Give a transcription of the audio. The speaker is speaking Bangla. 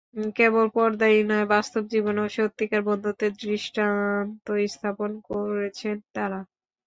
কেবল পর্দায়ই নয়, বাস্তব জীবনেও সত্যিকার বন্ধুত্বের দৃষ্টান্ত স্থাপন করেছেন তাঁরা।